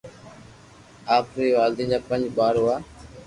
آپري والدين جا پنج ٻار هئا